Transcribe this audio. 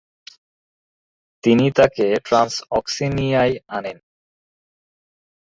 তিনি তাকে ট্রান্সঅক্সিনিয়ায় আনেন।